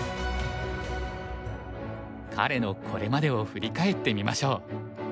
彼のこれまでを振り返ってみましょう。